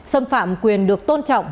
xâm phạm quyền được tôn trọng